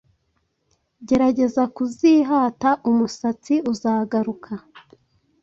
gerageza kuzihata umusatsi uzagaruka